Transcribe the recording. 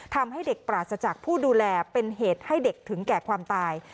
ทำให้เด็กปราศจากผู้ดูแลเป็นเหตุให้เด็กถึงแก่ความตาย